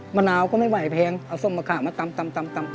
มะนาวก็ไม่ไหวแพงเอาส้มมะขามมาตำ